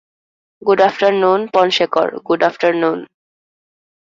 Good afternoon, পনশেকর - good afternoon.